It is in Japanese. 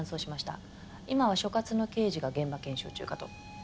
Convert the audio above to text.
今は所轄の刑事が現場検証中かと。